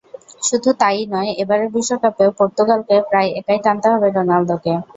শুধু তা-ই নয়, এবারের বিশ্বকাপেও পর্তুগালকে প্রায় একাই টানতে হবে রোনালদোকে।